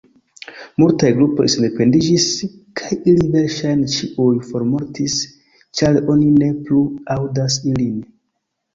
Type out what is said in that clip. Multaj grupoj sendependiĝis, kaj ili verŝajne ĉiuj formortis ĉar oni ne plu aŭdas ilin.